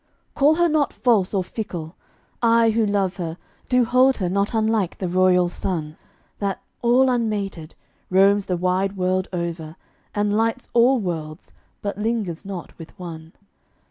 Call her not false or fickle. I, who love her, Do hold her not unlike the royal sun, That, all unmated, roams the wide world over And lights all worlds, but lingers not with one.